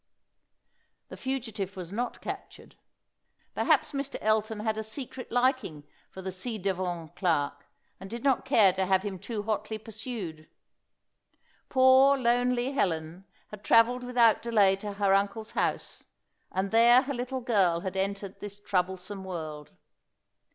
The fugitive was not captured. Perhaps Mr. Elton had a secret liking for the ci devant clerk, and did not care to have him too hotly pursued. Poor lonely Helen had travelled without delay to her uncle's house, and there her little girl had entered this troublesome world.